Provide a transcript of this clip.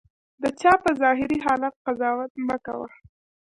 د چا په ظاهري حالت قضاوت مه کوه.